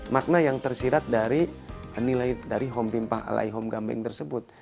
makna yang tersirat dari nilai dari hong pimpah alaihong gambeng tersebut